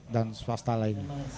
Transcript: dan swasta lainnya